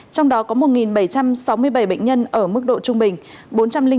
trong đó có một bảy trăm sáu mươi bảy bệnh nhân ở mức độ trung bình